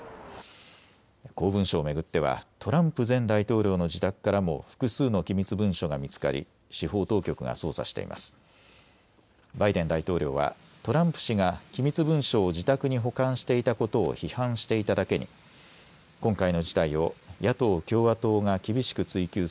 公文書を巡ってはトランプ前大統領の自宅からも複数の機密文書が見つかり司法当局が捜査しています。